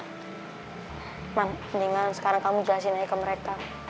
cuman mendingan sekarang kamu jelasin aja ke mereka